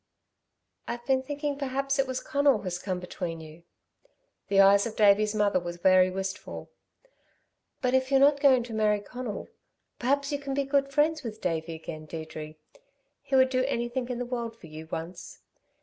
"I've been thinking perhaps it was Conal has come between you." The eyes of Davey's mother were very wistful. "But if you're not going to marry Conal, perhaps you can be good friends with Davey again, Deirdre. He would do anything in the world for you once.